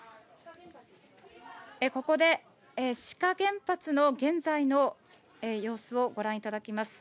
ここで志賀原発の現在の様子をご覧いただきます。